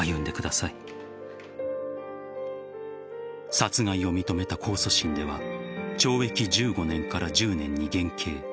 殺害を認めた控訴審では懲役１５年から１０年に減刑。